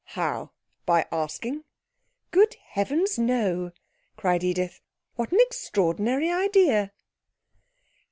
'How? By asking?' 'Good heavens, no!' cried Edith. 'What an extraordinary idea!'